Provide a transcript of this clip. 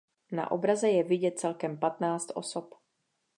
Na obraze je vidět celkem patnáct osob.